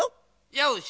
よし！